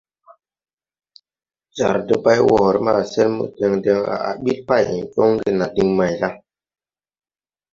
Jar debaywoore ma sen mo deŋ deŋ à á ɓil pay joŋge na diŋ may la? ».